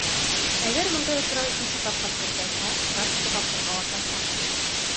Әгәр бындай осраҡ икенсе тапҡыр теркәлһә, штраф ике тапҡырға артасаҡ.